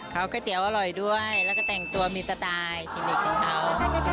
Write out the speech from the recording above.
เขาก๋วยเตี๋ยวอร่อยด้วยแล้วก็แต่งตัวมีสไตล์คลินิกของเขา